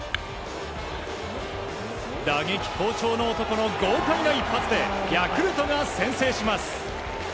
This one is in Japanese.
打撃好調の男の豪快な一発でヤクルトが先制します。